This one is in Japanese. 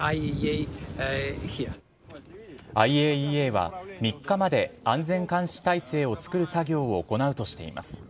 ＩＡＥＡは３日まで安全監視体制を作る作業を行うとしています。